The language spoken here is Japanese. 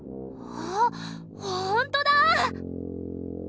あほんとだ！